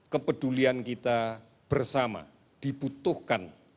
kepedulian kita bersama dibutuhkan